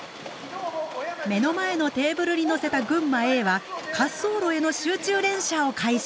目の前のテーブルにのせた群馬Ａは滑走路への集中連射を開始。